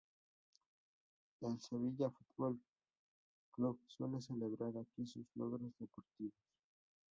El Sevilla Fútbol Club suele celebrar aquí sus logros deportivos.